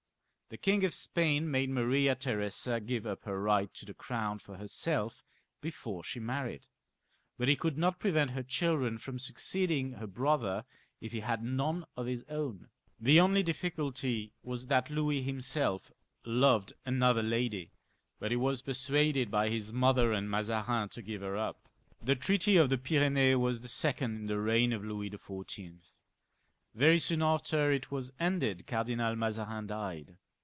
The King of Spain made Maria Theresa give up her right to the crown for herself before she married, but he could not prevent her children from succeeding her brother if he had none of his own. The only difficulty was that Louis himself loved another lady, but he was persuaded by his mother and Mazarin to give 1 i 1 I >» XLiii.] LOUIS ^XIV. 337 her up. This treaty of the Pyrenees was the secon4 in the reign of Louis XIV, Very soon after it was ended Cardinal Mazarin died.